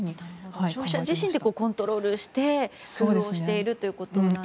消費者自身でコントロールして工夫をしているということですね。